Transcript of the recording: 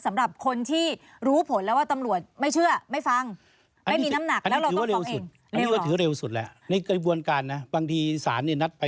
สำหรับคนที่จะเลือกฟ้องเองเขาต้องเตรียมอะไรบ้างคะ